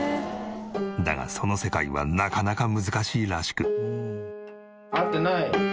だがその世界はなかなか難しいらしく。